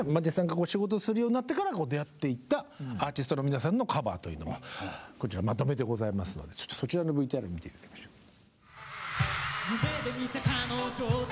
実際に仕事するようになってから出会っていったアーティストの皆さんのカバーというのがこちらまとめてございますのでそちらのＶＴＲ見て頂きましょう。